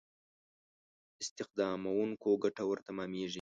استخداموونکو ګټور تمامېږي.